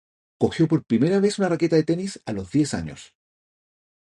Cogió por primera vez una raqueta de tenis a los diez años.